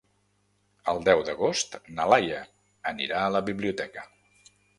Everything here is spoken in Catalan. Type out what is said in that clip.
El deu d'agost na Laia anirà a la biblioteca.